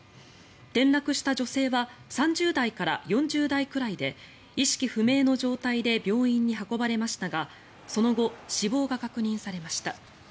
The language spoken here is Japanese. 転落した女性は３０代から４０代くらいで意識不明の状態で病院に運ばれましたがその後、死亡が確認されました。